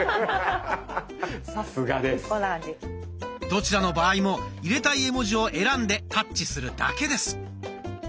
どちらの場合も入れたい絵文字を選んでタッチするだけです。